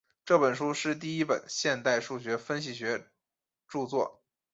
这本书是第一本现代数学分析学着作。